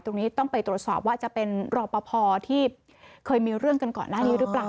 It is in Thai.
ตรงนี้ต้องไปตรวจสอบว่าจะเป็นรอปภที่เคยมีเรื่องกันก่อนหน้านี้หรือเปล่า